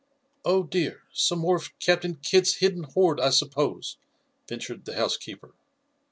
"Oh, dear! Some more of Captain Kidd's hidden hoard, I suppose?" ventured the housekeeper.